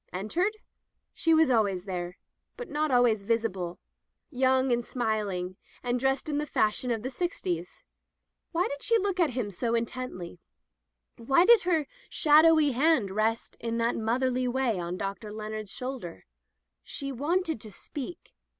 Entered ? She was always there, but not always visible, young and smiling, and dressed in the fash ion of the sixties. Why did she look at him so intently — ^why did her shadowy hand rest in that motherly way on Dr. Leonard's shoul der ? She wanted to speak.